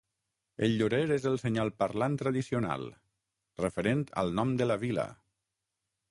El llorer és el senyal parlant tradicional, referent al nom de la vila.